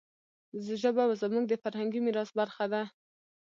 ژبه زموږ د فرهنګي میراث برخه ده.